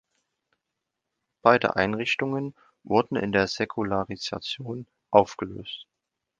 Beide Einrichtungen wurden in der Säkularisation aufgelöst.